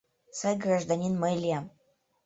Сай гражданин мый лиям.